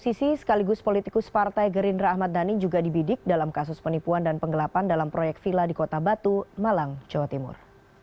selain kasus pencemaran nama baik musisi sekaligus politikus partai gerindra ahmad dhani juga dibidik dalam kasus penipuan dan penggelapan dalam proyek vila di kota batu malang jawa timur